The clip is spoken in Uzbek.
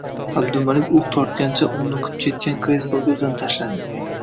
Abdumalik uh tortgancha unniqib ketgan kresloga o`zini tashladi